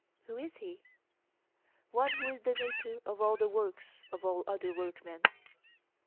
Who is he? One who is the maker of all the works of all other workmen.